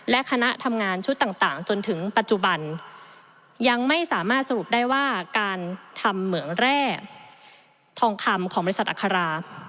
และคณะทำงานชุดต่างจนถึงปัจจุบันยังไม่สามารถสรุปได้ว่าการทำเหมืองแร่ทองคำของบริษัทอัครา